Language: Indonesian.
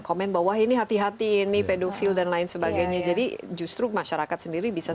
komen bahwa ini hati hati ini pedofil dan lain sebagainya jadi justru masyarakat sendiri bisa